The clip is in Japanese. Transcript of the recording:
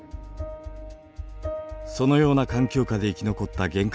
そのような環境下で生き残った原核